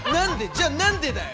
じゃあなんでだよ！